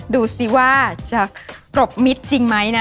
ดูสิว่าจะกรบมิตรจริงไหมนะ